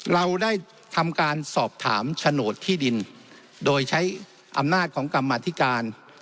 เราได้ทำการสอบถามโฉนดที่ดินโดยใช้อำนาจของกรรมธิการ